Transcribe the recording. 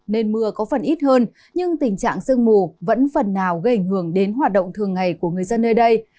nên mưa có phần ít hơn nhưng tình trạng sương mù vẫn phần nào gây ảnh hưởng đến hoạt động thường ngày của người dân nơi đây